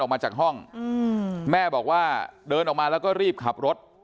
ออกมาจากห้องแม่บอกว่าเดินออกมาแล้วก็รีบขับรถ